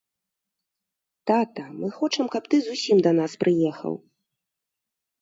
Тата, мы хочам, каб ты зусім да нас прыехаў.